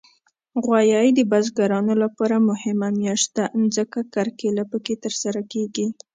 غویی د بزګرانو لپاره مهمه میاشت ده، ځکه کرکیله پکې ترسره کېږي.